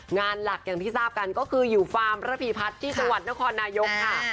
งานหลักอย่างที่ทราบกันก็คืออยู่ฟาร์มระพีพัฒน์ที่จังหวัดนครนายกค่ะ